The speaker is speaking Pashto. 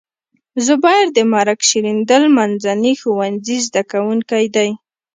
زبير د ملک شیریندل منځني ښوونځي زده کوونکی دی.